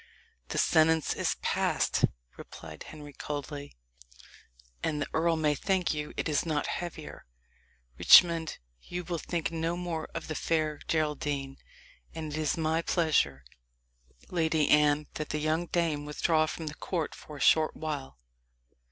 "The sentence is passed," replied Henry coldly; "and the earl may thank you it is not heavier. Richmond, you will think no more of the fair Geraldine; and it is my pleasure, Lady Anne, that the young dame withdraw from the court for a short while."